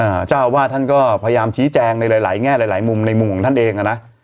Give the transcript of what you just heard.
เจ้าอาวาสท่านก็พยายามชี้แจงในหลายหลายแง่หลายหลายมุมในมุมของท่านเองอ่ะนะ